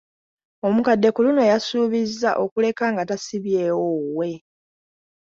Omukadde ku luno yasuubizza okuleka nga tasibyewo wuwe.